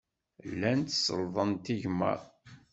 Llant sellḍent igmaḍ.